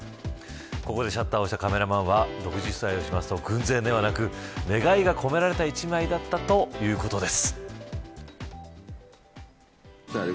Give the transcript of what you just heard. ここでシャッターを押したカメラマンに独自取材をすると偶然ではなく願いが込められた１枚だったということです。